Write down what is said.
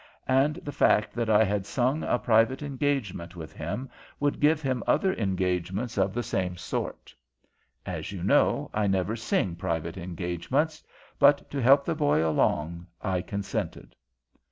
And the fact that I had sung a private engagement with him would give him other engagements of the same sort. As you know, I never sing private engagements; but to help the boy along, I consented.